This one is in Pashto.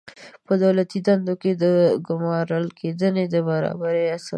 په دولتي دندو کې د ګمارل کېدنې د برابرۍ اصل